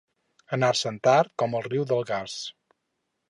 Anar-se'n tard com el riu d'Algars.